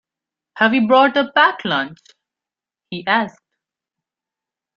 Have you brought a packed lunch? he asked